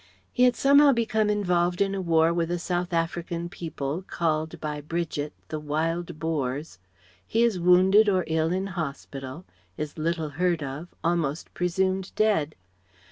He had somehow become involved in a war with a South African people, called by Bridget "the Wild Boars"; he is wounded or ill in hospital; is little heard of, almost presumed dead.